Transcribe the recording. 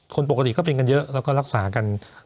คนปกติก็เป็นกันเยอะแล้วก็รักษากัน